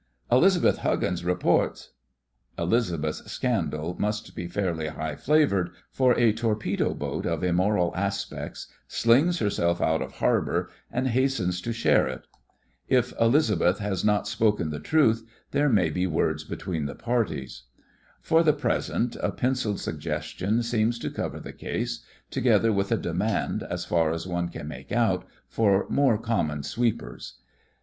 "" Elizabeth Huggins reports ..." THE FRINGES OF THE FLEET 31 Elizabeth's scandal must be fairly high flavoured, for a torpedo boat of immoral aspects slings herself out of harbour and hastens to share it. If Elizabeth has not spoken the truth, there may be words between the parties. For the present a pen cilled suggestion seems to cover the case, together with a demand, as far as one can make out, for "more common sweepers."